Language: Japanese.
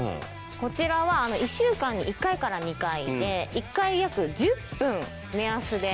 こちらは１週間に１回から２回で１回約１０分目安で。